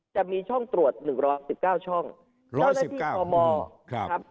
จะมีช่องตรวจหนึ่งร้อยสิบเก้าช่องร้อยสิบเก้าครับ